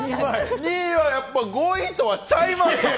２位は５位とはちゃいますよ！